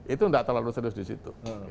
itu tidak terlalu serius di situ